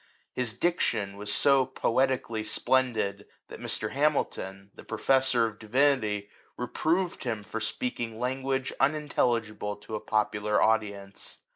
His diction was so poetically splendid, that Mr. Hamilton, the professor of divinity, reproved him for speaking language unintelligible to a popular audi ence.